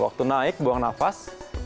waktu naik buang nafas